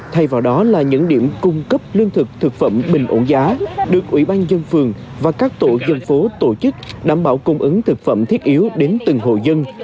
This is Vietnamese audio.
thay vào đó là những điểm cung cấp lương thực thực phẩm bình ổn giá được ủy ban dân phường và các tổ dân phố tổ chức đảm bảo cung ứng thực phẩm thiết yếu đến từng hộ dân